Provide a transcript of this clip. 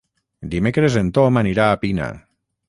Dimecres en Tom anirà a Pina.